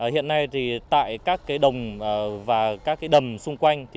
hiện nay tại các đồng và các đầm xung quanh